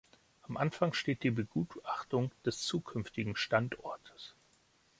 Am Anfang steht die Begutachtung des zukünftigen Standortes.